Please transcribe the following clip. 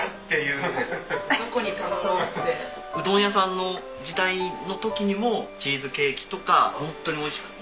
うどん屋さんの時代の時にもチーズケーキとかホントに美味しくて。